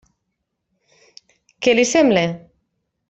Què li sembla?